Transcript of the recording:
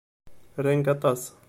Ran-k aṭas.